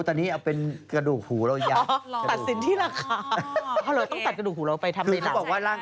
ตอนนี้เอาเป็นกระดูกหูเรายัง